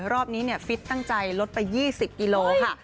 รอบนี้ฟิตตั้งใจลดไป๒๐กิโลค่ะ